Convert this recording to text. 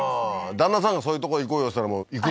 旦那さんがそういうとこ行こうよっつったら行くんだ？